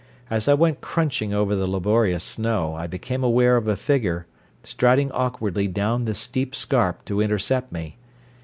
As I went crunching over the laborious snow I became aware of a figure striding awkwardly down the steep scarp to intercept me.